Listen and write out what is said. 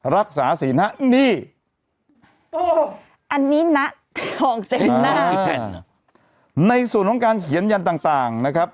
รักษาศีลฮะนี่อันนี้หน้าทองเต็มหน้าในส่วนของการเขียนยันต่างต่างนะครับ